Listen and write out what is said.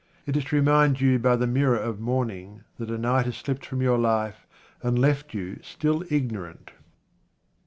It is to remind you by the mirror of morning that a night has slipped from your life, and left you still ignorant.